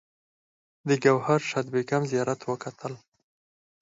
د ګوهر شاد بیګم زیارت وکتل.